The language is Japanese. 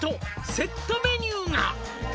「セットメニューが」